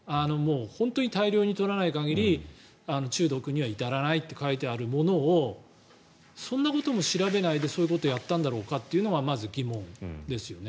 本当に大量に取らない限り中毒には至らないと書いてあるものをそんなことも調べないでそういうことをやったんだろうかというのがまず疑問ですよね。